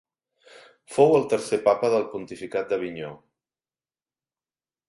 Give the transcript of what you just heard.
Fou el tercer Papa del pontificat d'Avinyó.